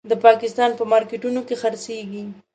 د پاکستان په مارکېټونو کې خرڅېږي.